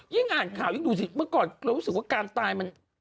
อ่านข่าวยิ่งดูสิเมื่อก่อนเรารู้สึกว่าการตายมัน